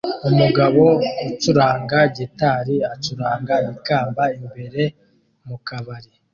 Umugabo ucuranga gitari acuranga ikamba imbere mu kabari